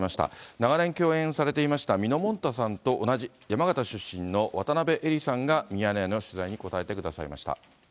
長年共演されていましたみのもんたさんと同じ山形出身の渡辺えりさんが、ミヤネ屋の取材に答えてくださいました。